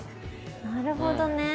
なるほどね。